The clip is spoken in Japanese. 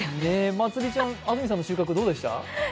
まつりちゃん、安住さんの収穫どうでした？